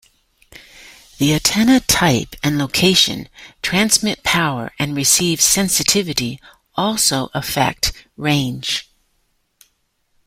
The antenna type and location, transmit power and receive sensitivity also affect range.